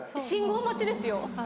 信号待ちですよ？